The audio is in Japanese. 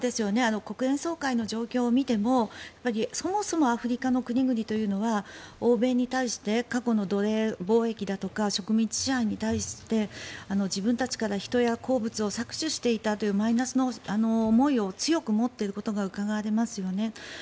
国連総会の状況を見てもそもそもアフリカの国々というのは欧米に対して過去の奴隷貿易だとか植民地支配に対して自分たちから人や鉱物を搾取していたというマイナスの思いを強く持っていることがうかがえますよね。